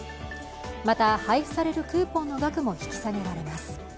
また配布されるクーポンの額も引き下げられます。